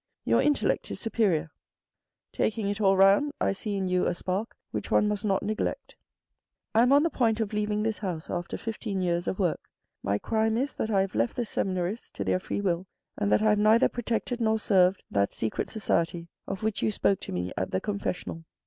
Your intellect is superior. Taking it all round, I see in you a spark which one must not neglect. " I am on the point of leaving this house after fifteen years of work. My crime is that I have left the seminarists to their free will, and that I have neither protected nor served that secret society of which you spoke to me at the Confessional.